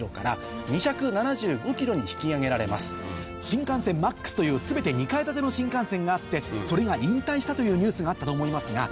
新幹線「Ｍａｘ」という全て２階建ての新幹線があってそれが引退したというニュースがあったと思いますが。